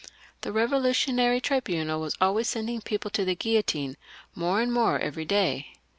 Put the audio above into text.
The Eevolutionary Tribunal was always sending people to the guillotine, more and more every day.